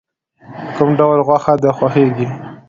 کوم ډول غوښه د خوښیږی؟